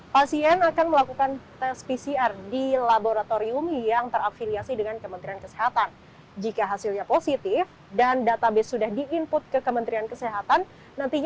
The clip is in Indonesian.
pasien akan melakukan tes psikologi